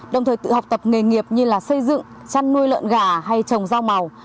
đồng thời tự học tập nghề nghiệp như xây dựng chăn nuôi lợn gà hay trồng rau màu